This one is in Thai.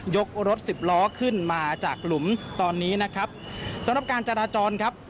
รถสิบล้อขึ้นมาจากหลุมตอนนี้นะครับสำหรับการจราจรครับ